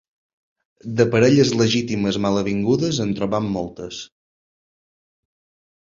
De parelles legítimes malavingudes en trobem moltes.